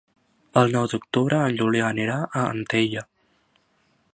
El nou d'octubre en Julià anirà a Antella.